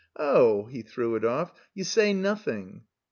'*0h/' he threw it oflf, "you say nothing.'